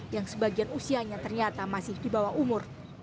yang sebagian usianya ternyata masih di bawah umur